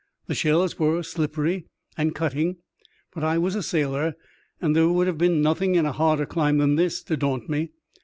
The shells were slippeiy and cutting ; but I was a sailor, and there would have been nothing in a harder climb than this to daunt me.